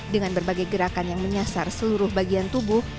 dengan berbagai gerakan yang menyasar seluruh bagian tubuh